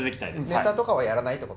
ネタとかはやらないってこと？